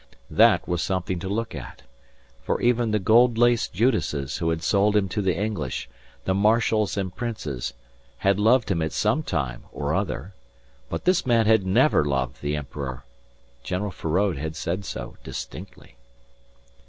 That was something to look at. For even the gold laced Judases who had sold him to the English, the marshals and princes, had loved him at some time or other. But this man had never loved the emperor. General Feraud had said so distinctly.